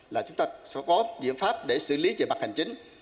là chúng ta sẽ có biện pháp để xử lý về mặt hành chính